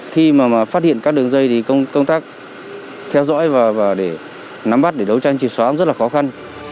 khi mà phát hiện các đường dây thì công tác theo dõi và để nắm bắt để đấu tranh triệt xóa rất là khó khăn